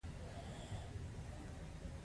دا د بودیجې په مقایسه لاسته راځي.